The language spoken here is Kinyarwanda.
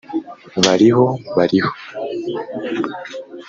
bariho. bariho.